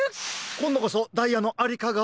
こんどこそダイヤのありかが？